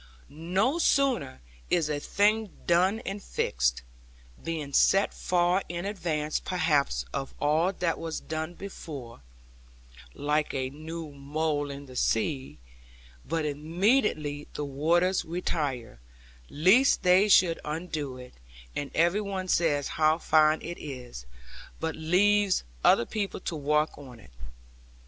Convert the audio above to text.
No sooner is a thing done and fixed, being set far in advance perhaps of all that was done before (like a new mole in the sea), but immediately the waters retire, lest they should undo it; and every one says how fine it is, but leaves other people to walk on it.